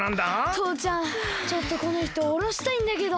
とうちゃんちょっとこのひとおろしたいんだけど。